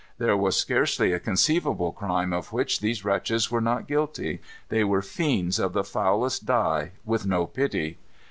There was scarcely a conceivable crime of which these wretches were not guilty. They were fiends of the foulest dye, with no pity.